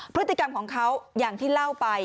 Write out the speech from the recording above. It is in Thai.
พฤติกรรมของเขาอย่างที่เล่าไป